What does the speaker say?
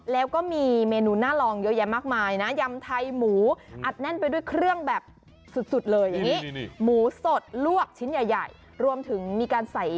แล้วก็มีเมนูหน้าลองเยอะแยะมากมายนะยำไทยหมูอัดแน่นไปด้วยเครื่องแบบสุดเลยอย่างนี้